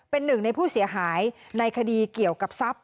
เป็นหนึ่งในผู้เสียหายในคดีเกี่ยวกับทรัพย